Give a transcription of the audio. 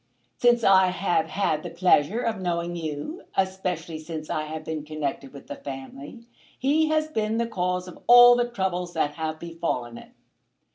Since I have had the pleasure of knowing you, especially since I have been connected with the family, he has been the cause of all the troubles that have befallen it.